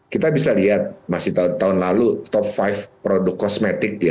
kita bisa lihat masih tahun lalu top lima produk kosmetik